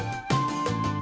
pulang dulu bos